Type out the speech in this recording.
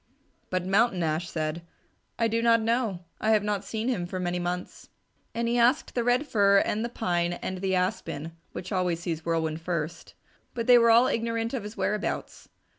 But Mountain Ash said, "I do not know. I have not seen him for many months." And he asked the Red Fir, and the Pine, and the Aspen, which always sees Whirlwind first, but they were all ignorant of his whereabouts.